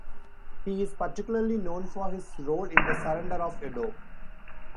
He is particularly known for his role in the surrender of Edo.